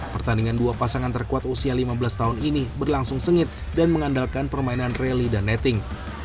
pertandingan dua pasangan terkuat usia lima belas tahun ini berlangsung sengit dan mengandalkan permainan rally dan netting